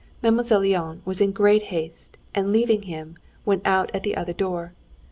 Mademoiselle Linon was in great haste, and leaving him, went out at the other door.